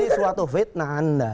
ini suatu fitnah anda